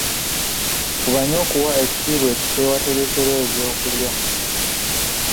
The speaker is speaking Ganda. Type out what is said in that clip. Fuba nnyo okuwa ekitiibwa ekifo ewategekerwa ebyokulya.